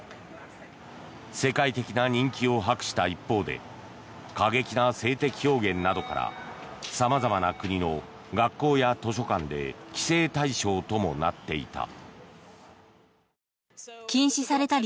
世界的な人気を博した一方で過激な性的表現などから様々な国の学校や図書館で規制対象ともなっていた。